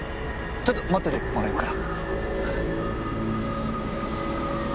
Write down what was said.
ちょっと待っててもらえるかな。